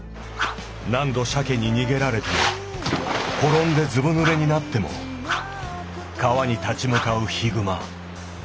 何度鮭に逃げられても転んでずぶぬれになっても川に立ち向かう悲熊。